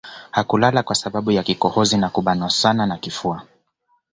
Hakulala kwa sababu ya kikohozi na kubanwa sana na kifua